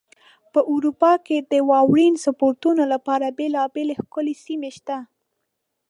په اروپا کې د واورین سپورتونو لپاره بېلابېلې ښکلې سیمې شته.